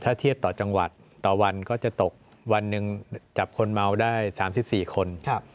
ถ้าเทียบต่อจังหวัดต่อวันก็จะตกวันหนึ่งจับคนเมาได้๓๔คน